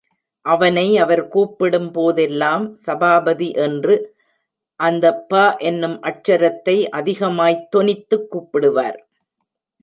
அவனை அவர் கூப்பிடும் போதெல்லாம், சபாபதி என்று அந்த ப என்னும் அட்சரத்தை அதிகமாய்த் தொனித்துக் கூப்பிடுவார்.